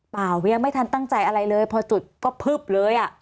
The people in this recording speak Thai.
เปล่ายังไม่ทันตั้งใจอะไรเลยพอจุดก็พึบเลยอ่ะ